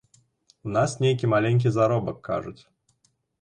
У нас нейкі маленькі заробак, кажуць.